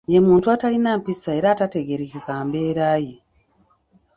Ye muntu atalina mpisa era atategeerekeka mbeera ye.